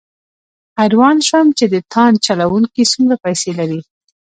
حیران شوم چې د تاند چلوونکي څومره پیسې لري.